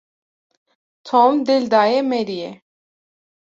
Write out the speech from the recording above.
Tom dil daye Maryê.